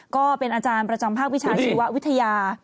ก็เป็นอาจารย์ประจำภาควิชาชีววิทยา